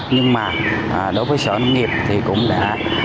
nhưng mà đối với sở nông nghiệp thì cũng đã